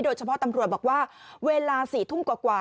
โดยเฉพาะตำรวจบอกว่าเวลา๔ทุ่มกว่า